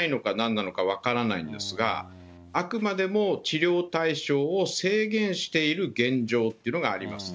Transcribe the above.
んなのか分からないんですが、あくまでも治療対象を制限している現状っていうのがあります。